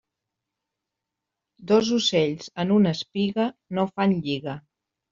Dos ocells en una espiga no fan lliga.